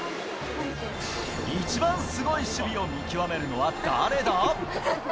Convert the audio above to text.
一番すごい守備を見極めるのは誰だ？